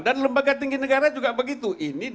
dan lembaga tinggi negara juga begitu